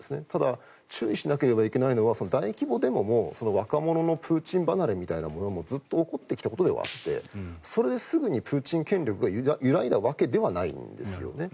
ただ注意しなければいけないのは大規模デモも、若者のプーチン離れみたいなこともずっと起こってきたことではあってそれですぐにプーチン権力が揺らいだわけではないんです。